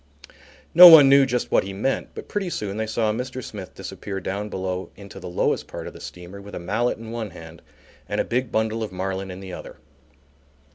No one knew just what he meant, but pretty soon they saw Mr. Smith disappear down below into the lowest part of the steamer with a mallet in one hand and a big bundle of marline in the other.